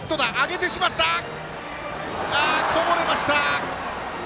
こぼれました！